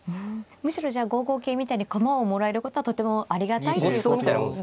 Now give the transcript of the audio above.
むしろじゃあ５五桂みたいに駒をもらえることはとてもありがたいということ。